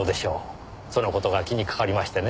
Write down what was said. その事が気にかかりましてね。